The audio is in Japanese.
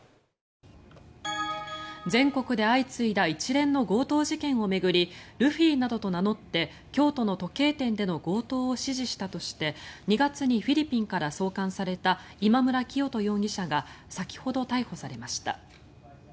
全国で相次いだ一連の強盗事件を巡りルフィなどと名乗って京都の時計店での強盗を指示したとして２月にフィリピンから送還された今村磨人容疑者が先ほど逮捕されました。